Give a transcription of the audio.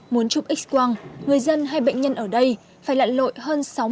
muốn chụp x quang người dân hay bệnh nhân ở đây phải lạn lội hơn sáu mươi kg